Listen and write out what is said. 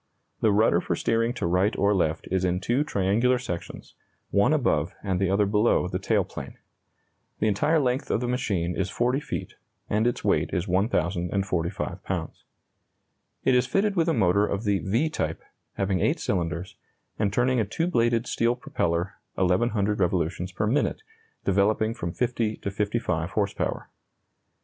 The rudder for steering to right or left is in two triangular sections, one above and the other below the tail plane. The entire length of the machine is 40 feet, and its weight is 1,045 pounds. It is fitted with a motor of the "V" type, having 8 cylinders, and turning a 2 bladed steel propeller 1,100 revolutions per minute, developing from 50 to 55 horse power.